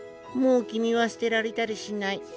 もう君は捨てられたりしない。